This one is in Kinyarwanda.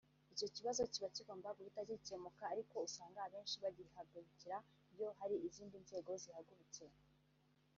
Icyo kibazo kiba kigomba guhita gikemuka ariko usanga abenshi babihagurukira iyo hari izindi nzego zahagurutse